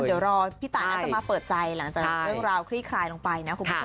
เดี๋ยวรอพี่ตายน่าจะมาเปิดใจหลังจากเรื่องราวคลี่คลายลงไปนะคุณผู้ชม